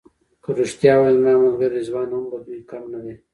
که رښتیا ووایم زما ملګری رضوان هم له دوی کم نه دی.